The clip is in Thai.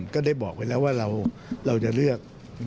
ก็ได้บอกไว้แล้วว่าเราจะเลือก